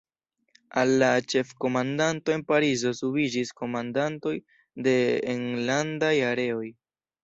Al la Ĉefkomandanto en Parizo subiĝis komandantoj de enlandaj Areoj.